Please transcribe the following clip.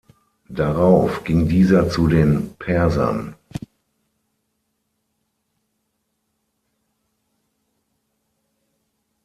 Darauf ging dieser zu den Persern.